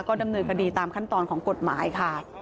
ดำเนินคดีตามขั้นตอนของกฎหมายค่ะ